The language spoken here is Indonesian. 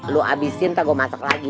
lu abisin entah gua masak lagi